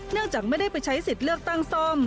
จากไม่ได้ไปใช้สิทธิ์เลือกตั้งซ่อม